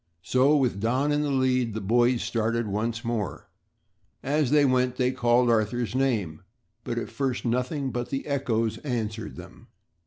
So, with Don in the lead the boys started once more. As they went they called Arthur's name, but at first nothing but the echoes answered them.